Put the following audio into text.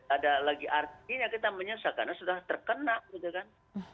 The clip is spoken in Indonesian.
ada lagi artinya kita menyesal karena sudah terkena gitu kan